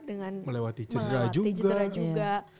dengan melewati cedera juga